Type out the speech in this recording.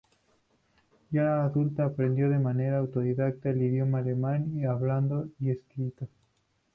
Ya adulta aprendió de manera autodidacta el idioma alemán hablado y escrito.